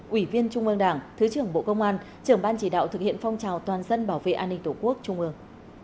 ủy viên trung ương đảng thứ trưởng bộ công an trưởng ban chỉ đạo thực hiện phong trào toàn dân bảo vệ an ninh tổ quốc trung ương